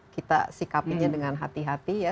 kita sikapinya dengan hati hati ya